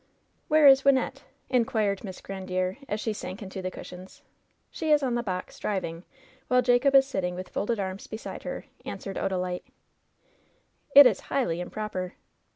"Where is Wynnette ?" inquired Miss Grandiere, as she sank into the cushions. "She is on the box, driving, while Jacob is sitting with folded arms beside her," answered Odalite. "It is highly improper."